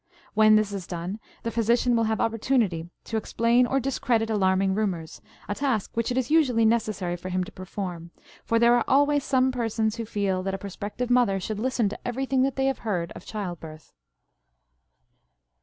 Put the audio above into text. When this is done the physician will have opportunity to explain or discredit alarming rumors, a task which it is usually necessary for him to perform, for there are always some persons who feel that a prospective mother should listen to everything that they have heard of childbirth.